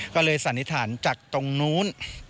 ก็เลยสันนิษฐานจากตรงนู้น